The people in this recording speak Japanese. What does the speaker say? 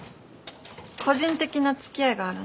個人的なつきあいがあるの？